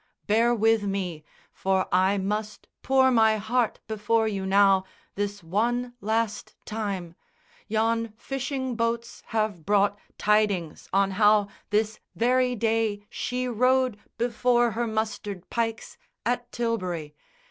Bear with me, For I must pour my heart before you now This one last time. Yon fishing boats have brought Tidings how on this very day she rode Before her mustered pikes at Tilbury.